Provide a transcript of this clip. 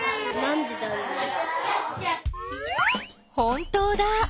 本当だ。